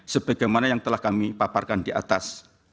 sebagaimana yang telah kami paparkan di atas